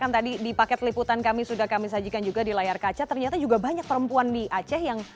jadi ini adalah hal yang sangat penting